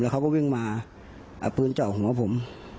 เขาก็วิ่งมาเอาปืนเจาะหัวผม